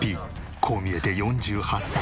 こう見えて４８歳。